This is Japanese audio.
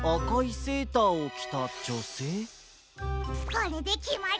これできまりだ！